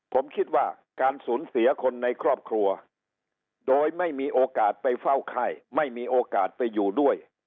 ผมคิดว่าการสูญเสียคนในครอบครัวโดยไม่มีโอกาสไปเฝ้าไข้ไม่มีโอกาสไปอยู่ด้วย